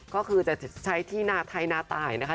ก็คือจะใช้ที่นาไทยนาตายนะคะ